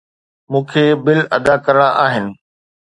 مون کي بل ادا ڪرڻا آهن.